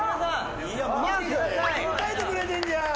出迎えてくれてんじゃん。